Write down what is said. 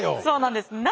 そうなんです。